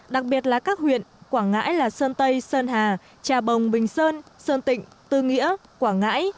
đặc biệt là các huyện quảng ngãi là sơn tây sơn hà trà bồng bình sơn sơn tịnh tư nghĩa quảng ngãi